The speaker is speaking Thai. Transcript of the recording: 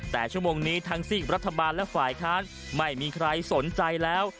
แต่ชั่วโมงนี้ทั้งซีกรัฐบาลและฝ่ายค้านไม่มีใครสนใจแล้ว